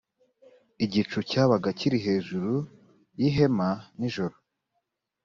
igicu cyabaga kiri hejuru y’ihema nijoro.